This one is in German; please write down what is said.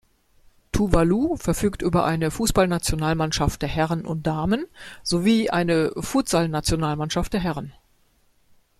Tuvalu verfügt über eine Fußballnationalmannschaft der Herren und Damen sowie eine Futsal-Nationalmannschaft der Herren.